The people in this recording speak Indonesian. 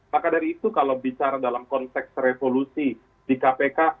maka dari itu kalau bicara dalam konteks revolusi di kpk